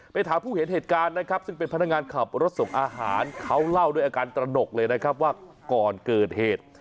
ถามผู้เห็นเหตุการณ์นะครับซึ่งเป็นพนักงานขับรถส่งอาหารเขาเล่าด้วยอาการตระหนกเลยนะครับว่าก่อนเกิดเหตุ